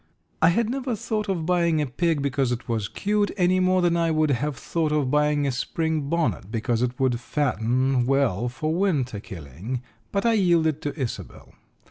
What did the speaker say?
I had never thought of buying a pig because it was cute any more than I would have thought of buying a spring bonnet because it would fatten well for winter killing, but I yielded to Isobel.